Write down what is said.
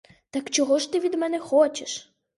Так чого ж ти від мене хочеш?